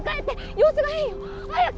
様子が変よ。早く！